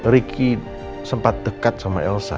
ricky sempat dekat sama elsa